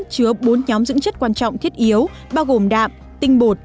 chứa bốn nhóm dưỡng chất quan trọng thiết yếu bao gồm đạm tinh bột